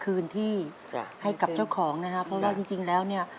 คืนที่ให้กับเจ้าของนะครับเพราะว่าจริงจริงแล้วเนี่ย